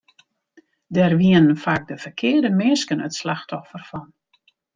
Dêr wienen faak de ferkearde minsken it slachtoffer fan.